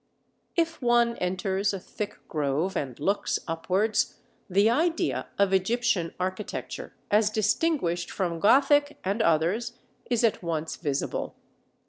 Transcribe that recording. If one enters a thick grove and looks upwards, the idea of Egyptian architecture as distinguished from Gothic and others is at once visible.